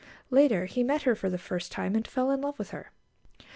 Later, he met her for the first time, and fell in love with her.